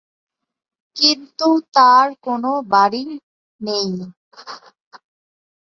কিন্তু তার কোনো 'বাড়ি' নেই।